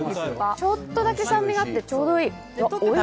ちょっとだけ酸味があって、ちょうどいい。